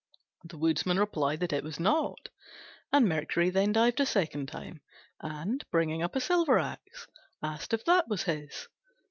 The Woodman replied that it was not, and Mercury then dived a second time, and, bringing up a silver axe, asked if that was his.